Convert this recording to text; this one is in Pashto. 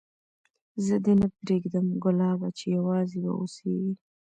زه دي نه پرېږدم ګلابه چي یوازي به اوسېږې